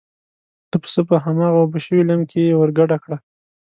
د پسه په هماغه اوبه شوي لم کې یې ور ګډه کړه.